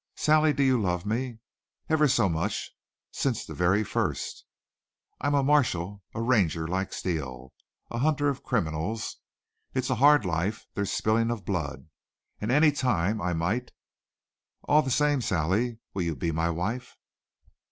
"Sally, do you love me?" "Ever so much. Since the very first." "I'm a marshal, a Ranger like Steele, a hunter of criminals. It's a hard life. There's spilling of blood. And any time I I might All the same, Sally will you be my wife?"